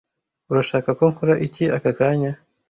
urashaka ko nkora iki aka kanya